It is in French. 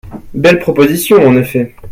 Belle proposition en effet !